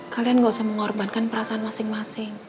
kalian gak usah mengorbankan perasaan masing masing